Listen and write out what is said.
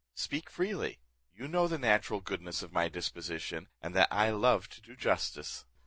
Speak freely, you know the natural goodness of my disposition, and that I love to do justice."